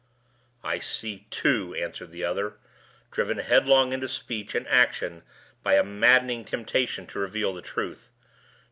"I see two!" answered the other, driven headlong into speech and action by a maddening temptation to reveal the truth.